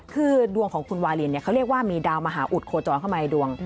คือดวงของคุณวาลินเขาเรียกว่ามีดาวมหาอุดโคจรเข้ามาในดวง